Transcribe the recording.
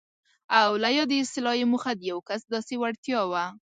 او له یادې اصطلاح یې موخه د یو کس داسې وړتیا وه.